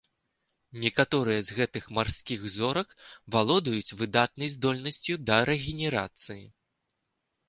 Некаторыя з гэтых марскіх зорак валодаюць выдатнай здольнасцю да рэгенерацыі.